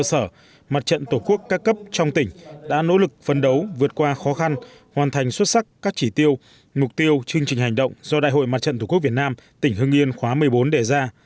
trong nhiệm kỳ vừa qua mặt trận tổ quốc ca cấp tỉnh hưng yên đã nỗ lực phấn đấu vượt qua khó khăn hoàn thành xuất sắc các chỉ tiêu mục tiêu chương trình hành động do đại hội mặt trận tổ quốc việt nam tỉnh hưng yên khóa một mươi bốn đề ra